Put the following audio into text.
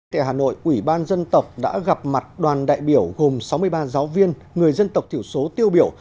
tại hà nội ủy ban dân tộc đã gặp mặt đoàn đại biểu gồm sáu mươi ba giáo viên người dân tộc thiểu số tiêu biểu